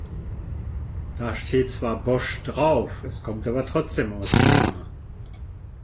Da steht zwar Bosch drauf, es kommt aber trotzdem aus China.